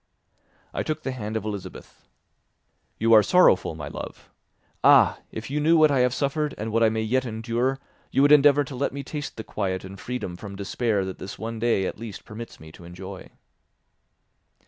I took the hand of Elizabeth. "You are sorrowful, my love. Ah! If you knew what I have suffered and what I may yet endure, you would endeavour to let me taste the quiet and freedom from despair that this one day at least permits me to enjoy."